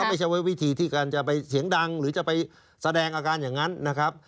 ไม่ใช่ว่าวิธีที่การจะไปเสียงดังหรือจะไปแสดงอาการอย่างนั้นนะครับ